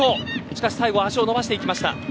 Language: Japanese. しかし最後は足を伸ばしていきました。